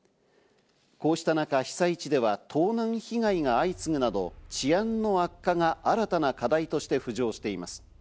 こうした中、被災地では盗難被害が相次ぐなど、治安の悪化が新たな課題として浮上しています。